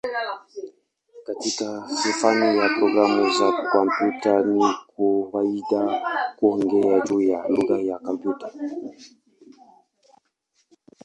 Katika fani ya programu za kompyuta ni kawaida kuongea juu ya "lugha ya kompyuta".